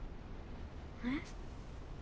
えっ？